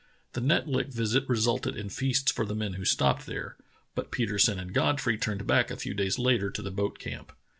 The Netlik visit resulted in feasts for the men who stopped there, but Petersen and Godfrey turned back a few days later to the boat camp.